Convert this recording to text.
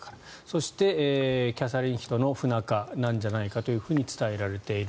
そして、キャサリン妃との不仲なんじゃないかと伝えられている。